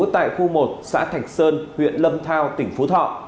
tại khu một xã thạch sơn huyện lâm thao tỉnh phú thọ